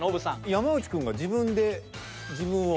山内くんが自分で自分を。